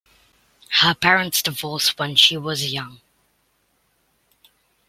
Her parents divorced when she was young.